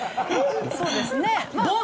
そうですね。